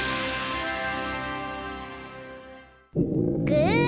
ぐ！